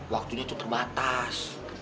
waktunya tuh terbatas